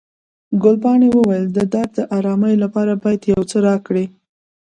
ګلپاڼې وویل، د درد د آرامي لپاره باید یو څه راکړئ.